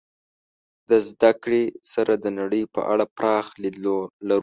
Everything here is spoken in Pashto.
د زدهکړې سره د نړۍ په اړه پراخ لید لرو.